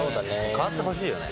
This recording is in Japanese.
変わってほしいよね。